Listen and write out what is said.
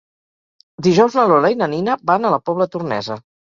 Dijous na Lola i na Nina van a la Pobla Tornesa.